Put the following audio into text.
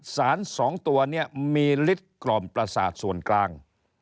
สองตัวเนี่ยมีฤทธิ์กล่อมประสาทส่วนกลาง